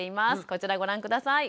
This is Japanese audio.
こちらご覧下さい。